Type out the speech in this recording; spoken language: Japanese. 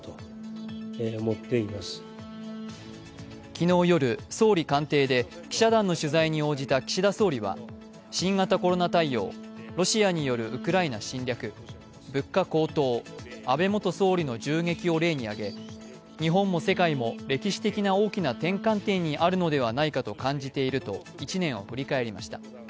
昨日夜、総理官邸で記者団の取材に応じた岸田総理は新型コロナ対応、ロシアによるウクライナ侵略、物価高騰、安倍元総理の銃撃を例に挙げ日本も世界も歴史的な大きな転換点にあるのではないかと感じていると一年を振り返りました。